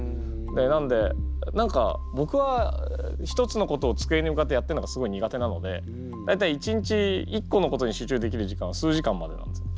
なんで何か僕は一つのことを机に向かってやってるのがすごい苦手なので大体一日一個のことに集中できる時間は数時間までなんですよ。